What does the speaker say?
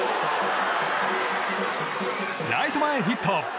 ライト前ヒット！